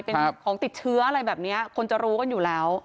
เป็นของติดเชื้ออะไรแบบนี้คนจะรู้กันอยู่แล้ว